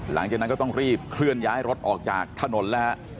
หลังจากนั้นก็ต้องรีบเคลื่อนย้ายรถออกจากถนนแล้วฮะ